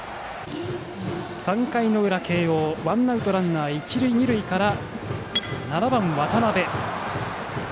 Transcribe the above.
３回裏の慶応ワンアウト、一塁二塁から７番の渡辺。